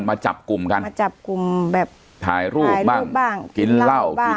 มาจับกลุ่มกันมาจับกลุ่มแบบถ่ายรูปบ้างกินเหล้าบ้าง